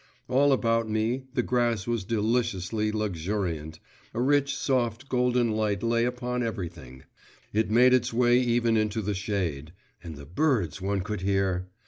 All about me the grass was deliciously luxuriant; a rich, soft, golden light lay upon everything; it made its way even into the shade … and the birds one could hear!